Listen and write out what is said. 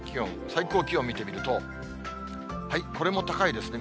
最高気温見てみると、これも高いですね。